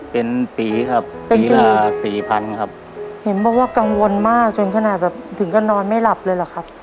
เป็นปีครับปีละสี่พันครับเห็นบอกว่ากังวลมากจนขนาดแบบถึงก็นอนไม่หลับเลยเหรอครับ